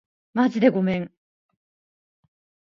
まじでごめん